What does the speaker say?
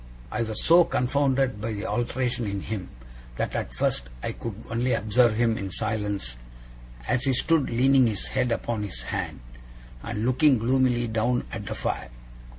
I was so confounded by the alteration in him, that at first I could only observe him in silence, as he stood leaning his head upon his hand, and looking gloomily down at the fire.